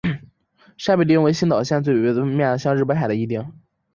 山北町为新舄县最北端面向日本海的一町。